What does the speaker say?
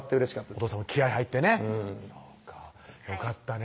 お父さんも気合い入ってねよかったね